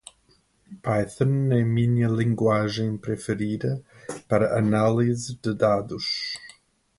Python é minha linguagem preferida para análise de dados.